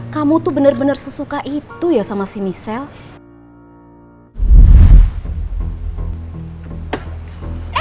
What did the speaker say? kamu tuh bener bener sesuka itu ya sama si michelle